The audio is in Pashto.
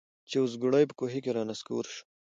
چي اوزګړی په کوهي کي را نسکور سو